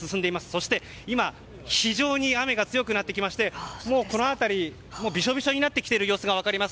そして今非常に雨が強くなってきましてこの辺り、びしょびしょになってきている様子が分かります。